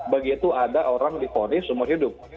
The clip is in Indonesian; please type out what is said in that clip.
begitu ada orang difonis umur hidup